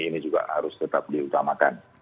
ini juga harus tetap diutamakan